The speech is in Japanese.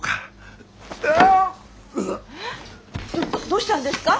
どどうしたんですか？